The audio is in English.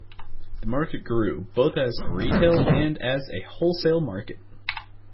The market grew, both as a retail and as a wholesale market.